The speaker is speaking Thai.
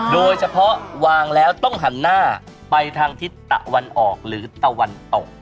โดยเฉพาะวางแล้วต้องหันหน้าไปทางทิศตะวันออกหรือตะวันตก